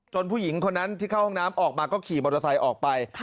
ผู้หญิงคนนั้นที่เข้าห้องน้ำออกมาก็ขี่มอเตอร์ไซค์ออกไป